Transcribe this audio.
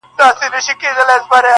• پلنډه نه وه د طلاوو خزانه وه -